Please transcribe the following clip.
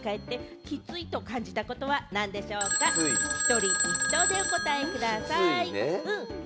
一人１答でお答えくださいね。